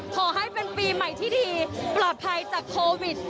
ขอให้เป็นปีใหม่ที่ดีปลอดภัยจากโควิด